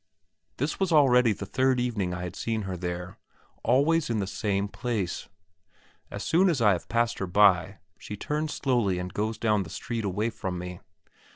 This was already the third evening I had seen her there, always in the same place. As soon as I have passed her by she turns slowly and goes down the street away from me.